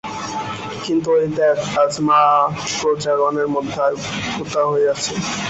কিন্তু ঐ দেখ, আজ মা প্রজাগণের মধ্যে আবির্ভূতা হইয়াছেন।